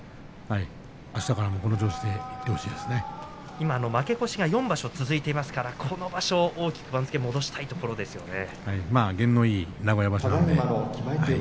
あしたからも、この調子で負け越しが４場所続いていますから今場所大きく番付を戻したいところですね。